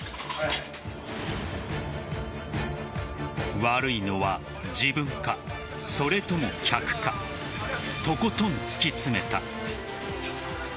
悪いのは自分か、それとも客かとことん突き詰めた。